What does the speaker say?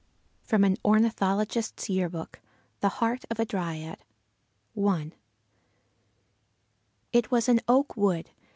FROM AN ORNITHOLOGIST'S YEAR BOOK. THE HEART OF A DRYAD. I. It was an oak wood.